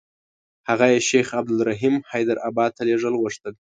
هغه یې شیخ عبدالرحیم حیدارآبادي ته لېږل غوښتل.